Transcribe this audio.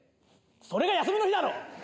それが休みの日だろ！